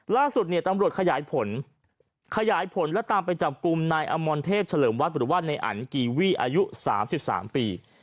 ล่าสุดตำรวจขยายผลและตามไปจับกลุ่มนายอมรเทพเฉลิมวัตถุวัฒน์ในอันกีวีอายุ๓๓ปี